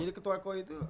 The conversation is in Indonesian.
jadi ketua koi itu